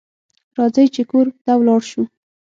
راځئ چې کور ته ولاړ شو